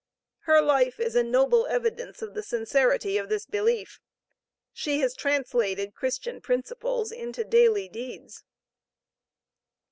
Her life is a noble evidence of the sincerity of this belief. She has translated Christian principles into daily deeds.